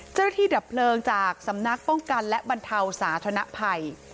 เจ้าหน้าที่ดับเพลิงจากสำนักป้องกันและบรรเทาสาธนภัย